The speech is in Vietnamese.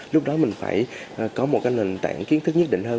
lúc đó mình phải có một nền tảng kiến thức nhất định hơn